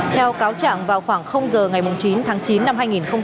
theo cáo trạng vào khoảng giờ ngày chín tháng chín năm hai nghìn hai mươi